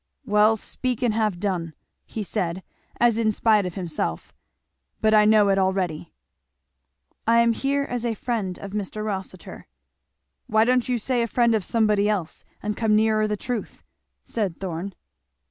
"Well speak and have done," he said as in spite of himself; but I know it already." "I am here as a friend of Mr. Rossitur." "Why don't you say a friend of somebody else, and come nearer the truth?" said Thorn.